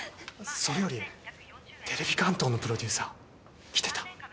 それよりテレビ関東のプロデューサー来てた。